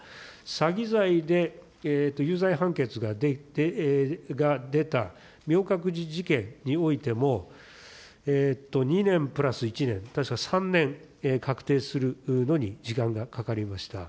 詐欺罪で有罪判決が出た、みょうかくじ事件においても、２年プラス１年、確か３年、確定するのに時間がかかりました。